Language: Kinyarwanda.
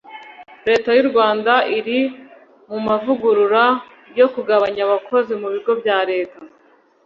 Leta y’u Rwanda iri mu mavugurura yo kugabanya abakozi mu bigo bya leta